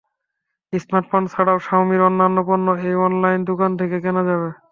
Smartphone ছাড়াও শাওমির অন্যান্য পণ্য এই অনলাইন দোকান থেকে কেনা যাবে।